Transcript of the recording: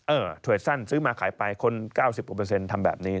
ถวยสั้นซื้อมาขายไปคน๙๐ทำแบบนี้